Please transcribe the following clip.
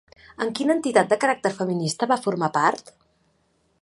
En quina entitat de caràcter feminista va formar part?